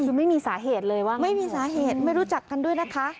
คือไม่มีสาเหตุเลยว่าไม่มีสาเหตุไม่รู้จักกันด้วยนะคะ